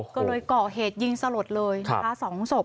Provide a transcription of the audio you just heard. ก็เลยเกาะเหตุยิงสะหรดเลยสามารถสองศพ